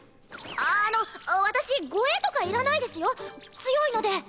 ああの私護衛とかいらないですよ強いので。